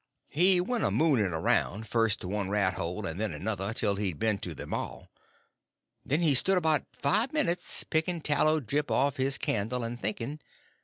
He went a mooning around, first to one rat hole and then another, till he'd been to them all. Then he stood about five minutes, picking tallow drip off of his candle and thinking.